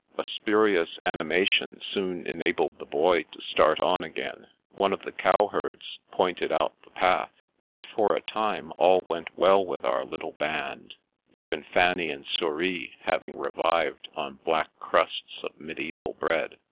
A spurious animation soon enabled the Boy to start on again ; one of the cowherds pointed out the path, and for a time all went well with our little band, even Fanny and Souris having revived on black crusts of mediaeval bread.